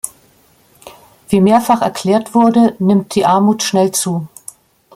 Wie mehrfach erklärt wurde, nimmt die Armut schnell zu.